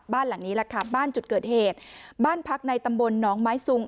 บ้านหลังนี้แหละค่ะบ้านจุดเกิดเหตุบ้านพักในตำบลน้องไม้ซุง